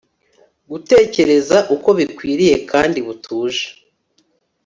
gutekereza uko bikwiriye kandi butuje